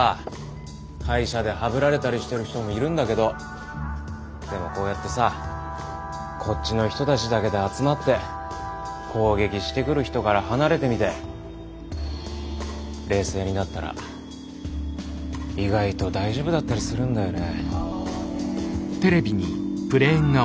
会社ではぶられたりしてる人もいるんだけどでもこうやってさこっちの人たちだけで集まって攻撃してくる人から離れてみて冷静になったら意外と大丈夫だったりするんだよね。